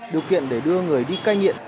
điều kiện để đưa người đi cai nghiện